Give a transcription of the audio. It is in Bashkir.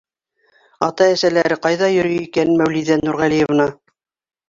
— Ата-әсәләре ҡайҙа йөрөй икән, Мәүлиҙә Нурғәлиевна?